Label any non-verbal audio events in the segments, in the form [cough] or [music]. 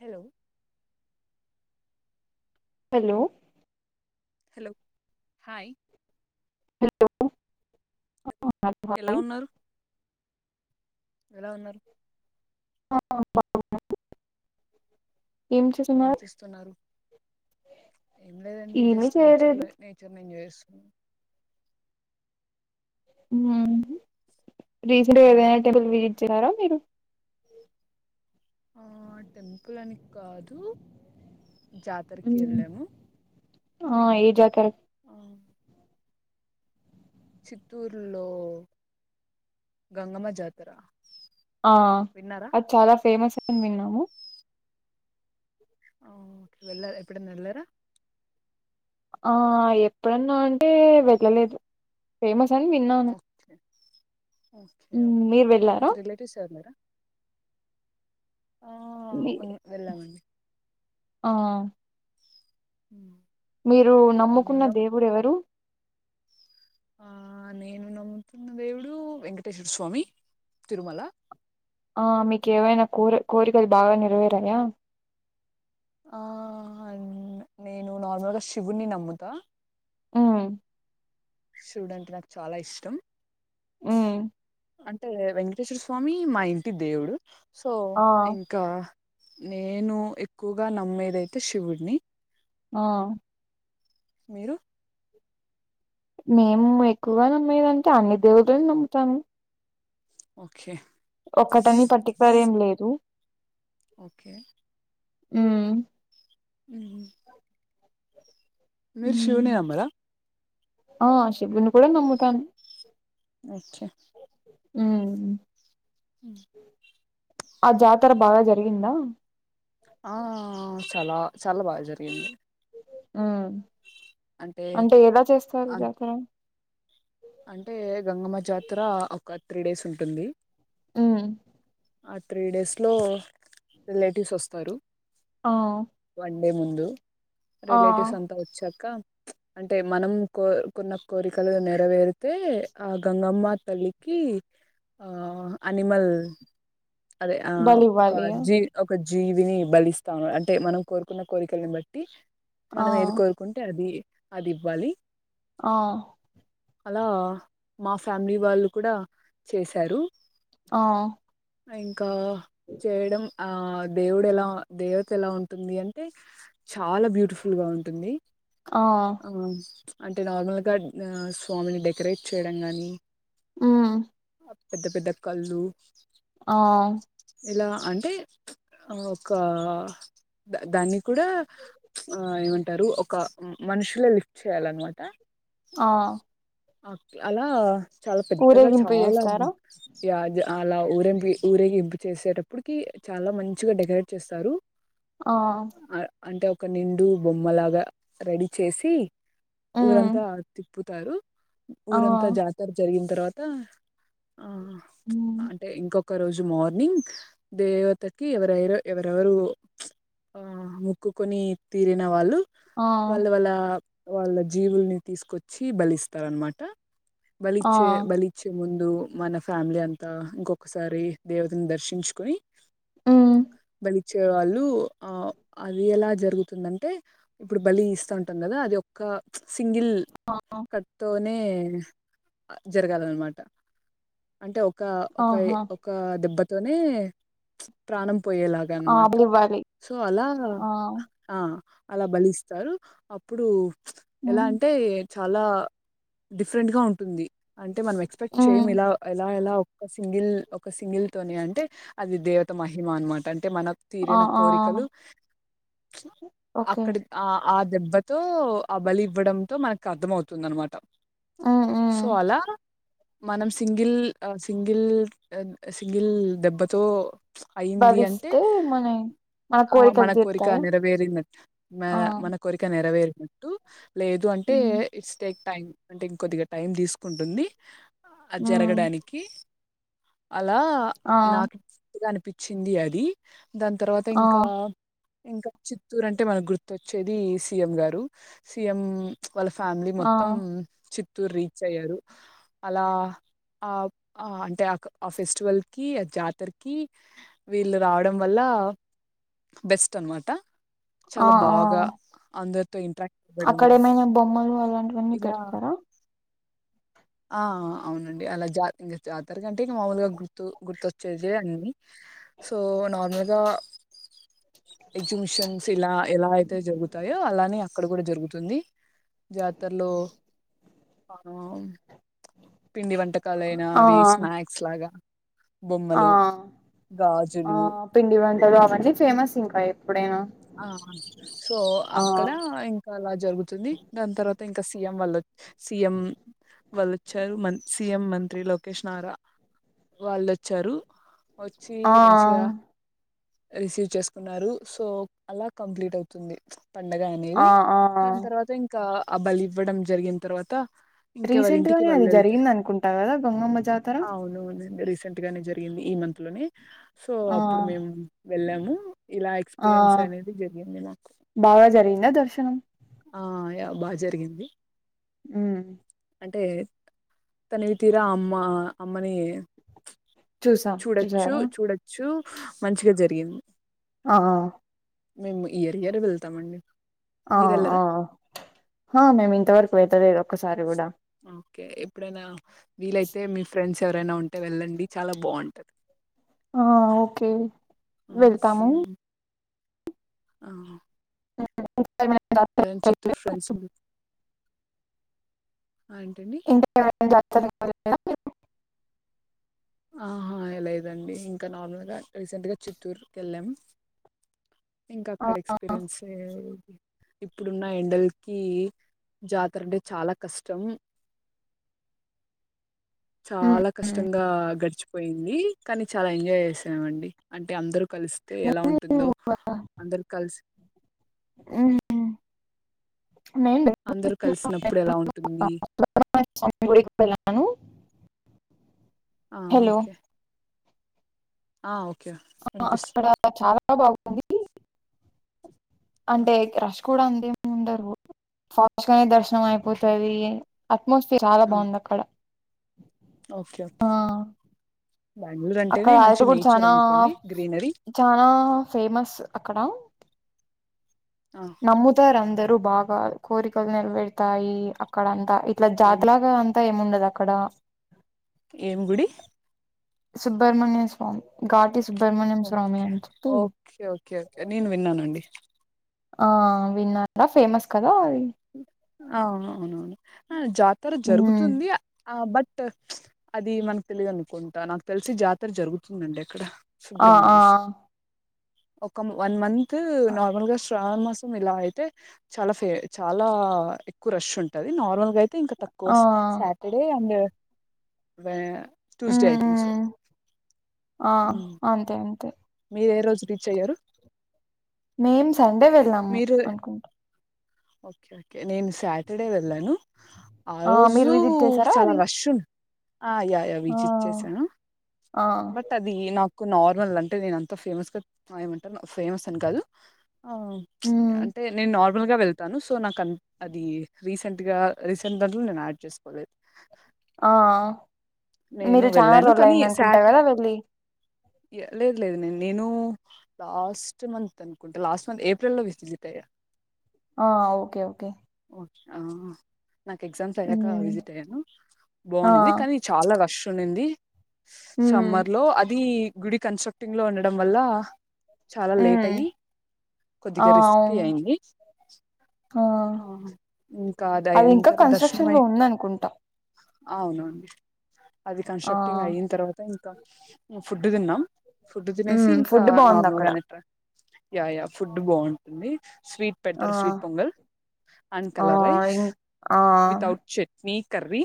Hello hello hello hi ఎలా hi ఉన్నారు ఎలా ఉన్నారు ఆ [unintelligible] ఏం చేస్తున్నారు ఏం లేదండి ఏమీ జస్ట్ నేచర్ చేయలేదు లో నేచర్ ని ఎంజాయ్ చేసు అవునా రీసెట్ మ్మ్. ఏదనా టెంపుల్ విజట్ చేశారా మీరు ఆ టెంపుల్ అని కాదు జాతరకి వెళ్ళాము ఆ ఏ జాతర ఆ చిత్తూరులో గంగమ్మ జాతర ఆ విన్నారా అది చాలా ఫేమస్ విన్నాము వెళ్ళరా ఎప్పుడైన్నా వెళ్ళారా ఆ ఎప్పుడన్నా అంటే వెళ్ళలేదు ఫేమస్ అని విన్నాను ఓకే ఓకే మ్, ఓకే మీరు వెళ్ళారా మీకు రిలేటివ్స్ ఎవరూ లేరా మీ ఉన్- వెళ్ళామండి ఆ ఉ మీరు నమ్ముకున్న దేవుడు ఎవరు ఆ నేను నమ్ముతున్న దేవుడు వెంకటేశ్వర స్వామి తిరుమల ఆ మీకు ఏవైనా కోరి కోరికలు బాగా నెరవేరాయా ఆ నేను నార్మల్గా శివున్ని నమ్ముతా ఉ శివుడంటే నాకు చాలా ఇష్టం ఉ అంటే వెంకటేశ్వర స్వామి మా ఇంటి దేవుడు సో ఆ ఇంకా నేను ఎక్కువగా నమ్మేదయితే శివుడిని ఆ మీరు మేము ఎక్కువగా నమ్మేదింటే అన్ని దేవుళలను నమ్ముతాము ఓకే ఒక్కటని పర్టికులర్ ఏం లేదు ఓకే ఉమ్ అహ మీరు శివుని నమ్మరా ఆ శివుని కూడా నమ్ముతాను అచ్చా ఉ ఉ ఆ జాతర బాగా జరిగిందా ఆ చాల చాలా బాగా జరిగింది ఉ అంటే ఎలా చేస్తారు అన్- జాతర అంటే గంగమ్మ జాతర ఒక త్రీ డేస్ ఉంటుంది ఉమ్ ఆ త్రీ డేస్ లో రిలేటివ్స్ వస్తారు ఆ వన్ డే ముందు ఆ రిలేటివ్స్ అంతా వచ్చాక అంటే మనం కోరుకున్న కోరికలు నెరవేరు అతే ఆ గంగమ్మ తల్లికి ఆ అనిమల్ అదే ఆహ్ బలి ఒక ఇవ్వాలి జీ ఒక జీవిని బలిస్తా అంటే మనం కోరుకున్న కోరికల్ని బట్టి ఆ మనం ఏది కోరుకుంటే అది అది ఇవ్వాలి ఆ అలా మా ఫ్యామిలీ వాళ్ళు కూడా చేసారు ఆ అయి ఇంకా చేయడం ఆ దేవుడు ఎలా దేవత ఎలా ఉంటుంది అంటే చాలా బ్యూటిఫుల్ గా ఉంటుంది ఆ అవును అంటే నార్మల్ గా ఆ ఆమెని డెకరేట్ చేయడం గానీ ఉమ్ పెద్ద పెద్ద కళ్ళు ఆ ఇలా అంటే ఒక దాన్ని కూడా ఏమంటారు ఒక మనుషులే లిఫ్ట్ చేయాలనమాట ఆ ఒకే అలా చాలా పెద్దగా ఊరేగింపు చాలా చేస్తారా ఇ అలా ఊరెంపి ఊరేగింపు చేసేటప్పుడుకి చాలా మంచిగా డెకరేట్ చేస్తారు ఆ అ అంటే ఒక నిండు బొమ్మలాగా రెడీ చేసి మ్మ్ ఊరంత తిప్పుతారు ఆ ఊరంతా జాతర జరిగింది అ తరువాత ఆ మ్మ్ అంటే ఇంకొక ఒక రోజు మార్నింగ్ దేవతకి ఎవర ఎవరెవరు ఆ ముక్కుకొని తీరిన వాళ్ళు ఆ వాళ్ళ వాళ్ళ వాళ్ళ జీవుల్ని తీసుకొచ్చి బలిస్త తరన్మాట ఆ బలిచే బలిచే ముందు మన ఫ్యామిలీ అంతా ఇంకొకసారి దేవతని దర్శించుకుని మ్మ్ బలి వచ్చే వాళ్ళు ఆ అది ఎలా జరుగుతుందంటే ఇప్పుడు బలి ఇస్తా ఉంటుంది కదా అది ఒ సింగిల్ ఆ తోనే జరగాలన్నమాట అంటే ఒక ఒక ఆహా ఒక ఒక దెబ్బ తోనే ప్రాణభ పోయేలాగ ఆ అనమాట బలివ్వాలి సో అలా ఆ ఆ అలా బలిస్తారు అప్పుడు ఎలా మ్మ్ అంటే చాలా డిఫరెంట్ గా ఉంటుంది అంటే అంట మనం ఎక్స్పెక్ట్ చేయ మ్మ్ ఇలా ఎలా ఎలా ఒక సింగిల్ ఒక సింగిల్ తోనే అంటే అది దేవత మహిమ అనమాట అంటే అ మనకు ఆ తీరిన ఆ కోరికలు ఓకే అక్కడికి అ ఆ దెబ్బతో ఆ బలి ఇవ్వడంతో మనకు అర్థ అవుతుంది అనమాట ఉమ్ ఉమ్ సోలా మనం సింగిల్ సింగిల్ సింగిల్ దెబ్బతో అయింది అంటే భరిస్తే మన ఆ కోరికలు మన కోరిక తీరుతాయా నెరవేరినట్టు మన ఆ మన కోరిక నెరవేరి టు లేదు అంటే ఉమ్ ఇస్టెక్ టైం అంటే ఇంకొద్దిగా టైం తీసుకుంటుంది అది ఉమ్ జరగడానికి అలా ఆ నాకు అనిపించింది అది దాని తర్వాత ఆ ఇంకా ఇంకా చిత్తూరు అంటే మనకు గుర్తొచ్చేది సీఎం గారు సీఎం వాళ్ళ ఫా ఆ త్తం చి తుర్ రీచ్ అయ్యారు అలా ఆ అంటే ఆ ఫెస్టివల్ కి ఆ జాతరకిి వీళ్ళు రావడం వల్ల బెస్ట్ అనమాట ఆ చాలా ఆ బాగా అందరు అక్కడ ఏమైనా బొమ్మలు అలాంటివన్ని ఇలా పెడతారా ఆ అవునండి అలా జ ఇంక జ తరంటే మామూలుగా గుర్తు గుర్తు చ్చేది అన్నీ సో నార్మల్గా ఎగ్జిబిషన్స్ ఇలా ఎలా అయితే జరుగుతాయో అలానే అక్కడ కూడ జరుగుతుంది జాతరలో ఆ పిండి వంటకాలయినా ఆ అవి స్నాక్స్ లాగా ఆ బొమ్మలు ఆ గాజులు పిండి వంటల్ అవ్ వన్నీ ఫేమసింకాయ ఆ సో ఆ అక్కడ ఇంకా అలా జరుగుతుంది దాని తర్వాత ఇంకా సీఎం వల్ల వచ్ సీఎం వళ్ళు వచ్చారు మన్ సిఎం మంత్రి లోకేష్ నారా వాళ్ళొచ్చారు వచ్చి ఆ మంచిగా రిసీవ్ చేసుకున్నారు సో అలా కంప్లిట్ అయితుంది పండగ ఆ అనేది ఆ దాని తర్వాత ఇంకా ఆ బలి ఇవ్వడం జరిగిన తర్వాత ఇంకెవరి రీసెంట్ ఇంటికి గానే వాళ్ళు అది వెళ్తే జరిగింది అనుకుంటా కదా గంగమ్మ జాతర అవునవును రీసెంట్ గానే జరిగింది ఈ మంత్ లొని సో ఆ అప్పుడు మేము వెళ్ళాము ఇలా ఆ ఎక్స్పిరియన్స్ అనేది జరిగింది నాకు దా దర్శనం ఆ యా బాగా జరిగింది ఉ అంటే తనవి తీరా అమ్మ అమ్మని చూసాం చూడచ్చు చూసారా చూడచ్చు మంచిగ జరిగింది ఆ మేము ఇయరియర్ వెళ్తామండి ఆ మీరు వెళ్ళరా ఆ ఆ మేమ్ ఇంతవరకు వెళ్తలేదు ఓకే ఇప్పుడైనా వీలైతే మీ ఫ్రెండ్స్ ఎవరైనా ఉంటే వెళ్ళండి చాలా బాగుంటది. ఆ ఓకే వెళ్తాము అ ఫ్రెండ్స్ ఉం [unintelligible] ఆ ఏంటండి [unintelligible] ఆహా లేదండి ఇంకా నార్మల్ గా రీసెంట్ గా చిత్తూరుకి వెళ్ళాము. ఇంకా అక్కడ ఎక్స్పీరియన్స్ ఇప్పుడున్న ఎండలకి జాతర అంటే చాలా కష్టం. చాలా కష్టంగా గడిచిపోయింది కానీ చాలా ఎంజాయ్ చేసామండి అంటే అందరూ కలిస్తే ఎలా ఉంటుందో. కల్స్ నే [inaudible] కలిసినాం [inaudible] గుడికి పోయిన్నాను. ఆ ఓకే! ఆ ఓ ఆ అక్కడ చాలా బాగుంది ఆ అంటే క్రాష్ కూడా అంతా ఏమి ఉండరు ఫాస్ట్ గానే దర్శనం ర్శనం ఓకే అయిపోతాది అ మోసి చాలా ఆ బాగుంది అక్కడ ఓకే ఆ ఓకే బెంగళూరు అక్కడ అంటేనే అరట మంచి కూడా నేచర్ చనా అనుకోండి గ్రీనరీ చనా ఫేమస్ అక్కడ ఆ నమ్ముతారు అందరు బాగా కోరికలు నెరవేర్తాయి అక్కడ అంతా ఇట్లా ఏం జాతలాగా అంతా ఏముండదు అక్కడ ఎం గుడి Subramanya Swamighati okay okay okay okay నేను విన్నానండి ఆ విన్న బస్ ఫేమస్ కదా అది అవువునవును ఆ జాతర ఉమ్ జరుగుతుంది ఆ బట్ ట్ అది మనకు తెలియ అనుకుంటా నాకు తెలిసి జాతర జరుగుతుందండి అక్కడ ఆ ఆ సుబ్రమణ్య స్వామి ఒక వన్ మంత్ నార్మల్ గా శ్రావణ్ మాసం ఇలా అయితే చాలా ఫే చాలా ఎక్కువ రష్ ఉంటుంది నార్మల్గా అయితే ఇంకా తక్కువ ఆ సాటర్డే అండ్ మే ఉమ్ ఉమ్ ఆ హ్మ్. అంతే అంతే మీరు ఏ రోజు రీచ్ అయ్యారు మేం సండే వెళ్ళాము మీరు అనుకుంటా ఓకే ఓకే నేను స్ సాటర్డే వెళ్ళను ఆ మీరు రోజు విజిట్ చేసారా చాలా అది రష్ ఉన్ట్ ఆ యాయా ఆ విజిట్ చేసాను ఆ బట్ అది నాకు కునార్మల్ అంత్ టె నేను అంత ఫేమస్ మాయమంటే ఫేమస్ అని కాదు ఆ ఆ ఉచ్ ఉమ్ అంటే నేను నార్మల్ సింపుల్ గా వెళ్తాను సో నాకంత్ అదీ రీసెంట్ గా రీసెంట్ దాంట్లో నేను యాడ్ చేసుకోలేదు ఆ ఆ నేను వెళ్ళాను కానీ సాట్ కదా వెళ్ళి యా లేదు లేదు నేను నేను లాస్ట్ మంత్ అనుకుంట లాస్ట్ మంత్ ఏప్రిల్ లో విసి విజిట్ అయ్యాను ఆ ఓకే ఓకే ఆ నాకు ఎగ్జామ్స్ అయ్యాక ఉమ్ విజిట్ అయ్యాను ఆ బాగుంది కానీ అలా రష్ ఉండింది ఉమ్ సమ్మర్ లో అదీ గుడి కన్స్ట్రక్టింగ్ లో ఉండడం వల్ల చాలా లేట్ హ్మ్ అయ్యి, ఆ కొద్దిగా రిస్కీ అవును అయింది. ఆ ఇంకా దయ్ అది ఇంకా దర్శనం కన్స్ట్రక్షన్ లో ఉందనుకుంటా అవునండి అది ఆ కన్స్ట్రక్టింగ్ అయిన తర్వాత ఇంక ఫుడ్ డ్ తిన్నా ఫుడ్ తినేసి హ్మ్ ఇంకా ఫుడ్ బాగుంది నార్మల్ అక్కడ గానే ట్రై యా యా ఫుడ్ బాగుంటుంది స్వీట్ ఆ పెట్తర్, స్వీట్ పొంగల్ అండ్ ఆ కలర్ రైస్, ఇం ఆ వితౌట్ చట్నీ కర్రీ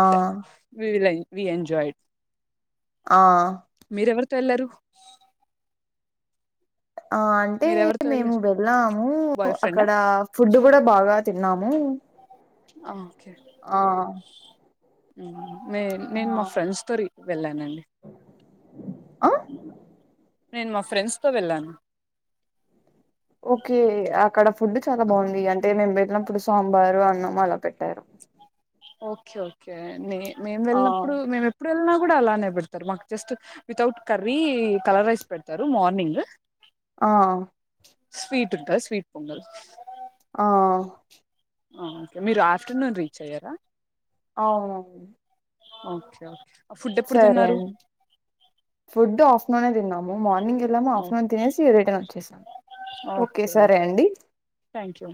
ఆ వీ విల్ వి ఎంజాయిడ్ ఆ తెల్లారు ఆ అంటే మీరెవరితో మేము వెళ్లారు వెళ్ళాము, బాయ్ ఫ్రెండా అక్కడ ఫుడ్ కూడా బాగా తిన్నాము ఓకే ఆ నే ఆ నేను మా ఫ్రెండ్స్ తోరి వెళ్ళానండి ఆ నేను మా ఫ్రెండ్స్ తో వెళ్ళాను ఓకే అక్కడ ఫుడ్ చాల ఆ బాగుంది అంటే మేం ళ్లినప్పుడు సాబారు, అన్నం అలా పెట్టారు ఓకే ఓకే నే మేం ఆ వెళ్ళినప్పుడు మేము ఎప్పుడు వెళ్ళిన కూడా అలానే పెడతారు. మాకు just without curry, colour rice పెడతారు మార్నింగ్. ఆ స్వీటుంటది స్వీట్ పొంగల్ ఆ ఓకే మీరు ఆఫ్టర్నూన్ రీచ్ అయ్యారా? అవునవును ఓకే ఓకే ఫుడ్ ఎప్పుడు సరే తిన్నారు అండి ఫుడ్ ఆఫ్టర్నూనే తిన్నాము. మార్నింగ్ వెళ్ళాము, ఓకే ఆఫ్టర్నూన్ తినేసి రిటర్న్ వచ్చేసాము. ఓకే సరే అండి థ్యాంక్ యూ